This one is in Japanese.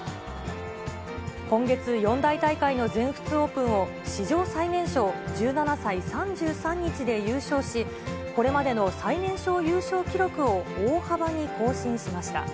今月、四大大会の全仏オープンを、史上最年少、１７歳３３日で優勝し、これまでの最年少優勝記録を大幅に更新しました。